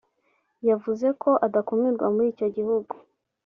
yavuze ko adakumirwa muri icyo gihugu